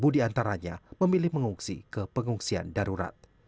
sepuluh diantaranya memilih mengungsi ke pengungsian darurat